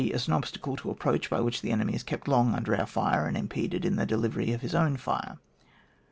As an obstacle to approach, by which the enemy is kept long under our fire, and impeded in the delivery of his own fire.